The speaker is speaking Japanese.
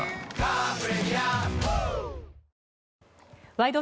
「ワイド！